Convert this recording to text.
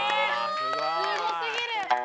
すごすぎる！